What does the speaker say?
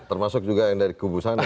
termasuk juga yang dari kubu sana